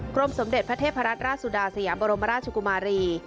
สมเด็จพระเทพรัตนราชสุดาสยามบรมราชกุมารี